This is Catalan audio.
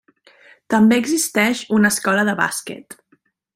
També existeix una Escola de Bàsquet.